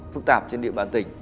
phức tạp trên địa bàn tỉnh